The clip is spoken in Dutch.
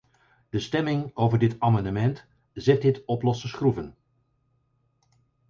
De stemming over dit amendement zet dit op losse schroeven.